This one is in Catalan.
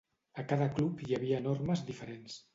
A cada club hi havia normes diferents.